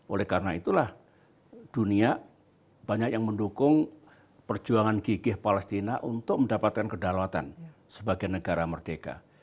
oleh karena itulah dunia banyak yang mendukung perjuangan gigih palestina untuk mendapatkan kedalawatan sebagai negara merdeka